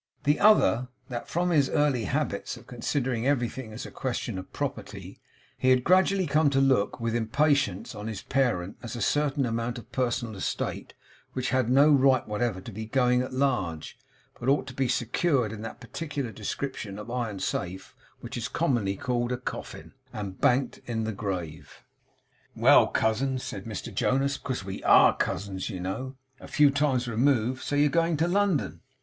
The other, that from his early habits of considering everything as a question of property, he had gradually come to look, with impatience, on his parent as a certain amount of personal estate, which had no right whatever to be going at large, but ought to be secured in that particular description of iron safe which is commonly called a coffin, and banked in the grave. 'Well, cousin!' said Mr Jonas 'Because we ARE cousins, you know, a few times removed so you're going to London?